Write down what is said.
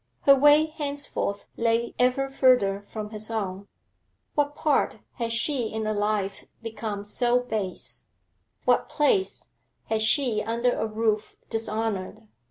Her way henceforth lay ever further from his own. What part had she in a life become so base? What place had she under a roof dishonoured?